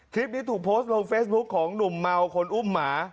คลิปนี้ถูกโพสต์ลงเฟซบุ๊คของหนุ่มเมาคนอุ้มหมา